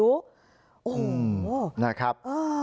โอ้โหนะครับ